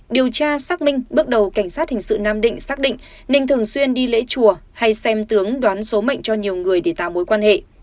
điều tra xác minh bước đầu cảnh sát hình sự nam định xác định ninh thường xuyên đi lễ chùa hay xem tướng đoán số mệnh cho nhiều người để tạo mối quan hệ